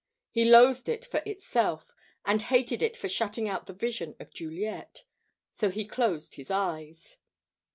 He loathed it for itself, and hated it for shutting out the vision of Juliet, so he closed his eyes.